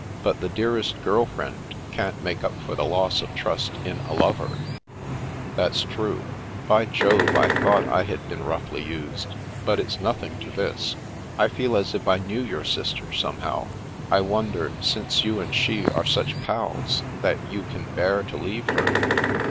But the dear est girl friend can't make up for the loss of trust in a lover/' "That's true. By Jove, I thought I had been roughly used, but it's nothing to this. I feel as if I knew your sister, somehow. I wonder, since you and she are such pals, that you can bear to leave her."